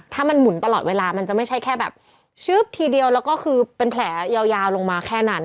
ถ้ามันหมุนตลอดเวลามันจะไม่ใช่แค่แบบชึบทีเดียวแล้วก็คือเป็นแผลยาวลงมาแค่นั้น